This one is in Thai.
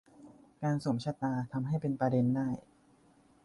การสวมชฏา ทำให้เป็นประเด็นได้